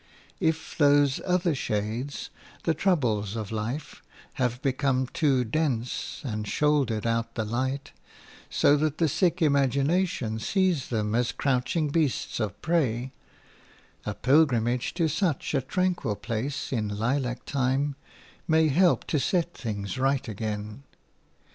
If those other shades, the troubles of life, have become too dense and shouldered out the light, so that the sick imagination sees them as crouching beasts of prey, a pilgrimage to such a tranquil place in lilac time may help to set things right again.